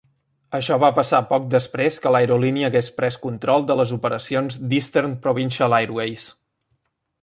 Això va passar poc després que l'aerolínia hagués pres control de les operacions d'"Eastern Provincial Airways".